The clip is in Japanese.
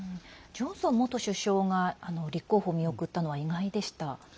ジョンソン元首相が立候補を見送ったのは意外でした。